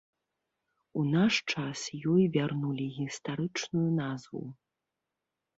У наш час ёй вярнулі гістарычную назву.